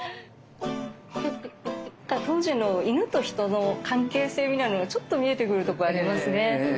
当時の犬と人の関係性みたいのがちょっと見えてくるとこありますね。